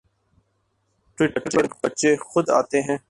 Twitter پر بچے خود آتے ہیں